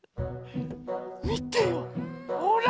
みてよほら！